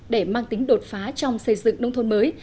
để mang tính đột phá trong xây dựng nông thôn mới